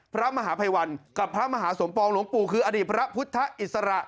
พระมหาภัยวันกับพระมหาสมปองหลวงปู่คืออดีตพระพุทธอิสระ